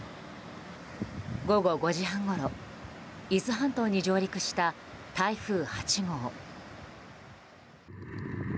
午後５時半ごろ伊豆半島に上陸した台風８号。